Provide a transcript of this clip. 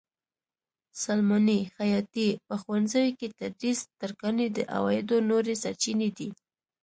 سلماني؛ خیاطي؛ په ښوونځیو کې تدریس؛ ترکاڼي د عوایدو نورې سرچینې دي.